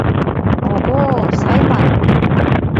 О-го, Сайман!..